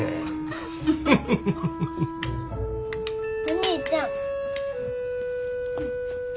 お兄ちゃん。